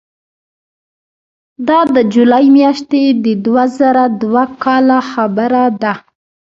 دا د جولای میاشتې د دوه زره دوه کاله خبره ده.